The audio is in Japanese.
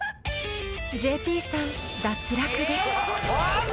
［ＪＰさん脱落です］